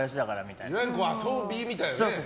いわゆる遊びみたいなね。